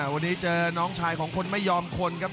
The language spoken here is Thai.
วันนี้เจอน้องชายของคนไม่ยอมคนครับ